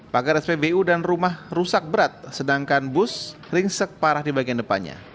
pagar spbu dan rumah rusak berat sedangkan bus ringsek parah di bagian depannya